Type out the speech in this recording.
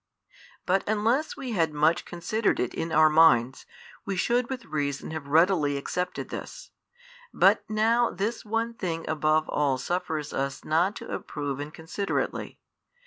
But unless we had much considered it in our minds, we should with reason have readily accepted this, but now this one thing above all suffers us not to approve inconsiderately.